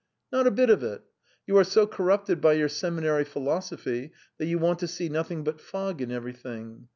"Not a bit of it. You are so corrupted by your seminary philosophy that you want to see nothing but fog in everything.